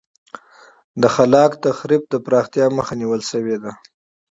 د خلاق تخریب د پراختیا مخه نیول شوې ده.